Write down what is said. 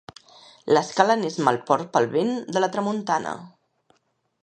L'Escala n'és mal port pel vent de la tramuntana.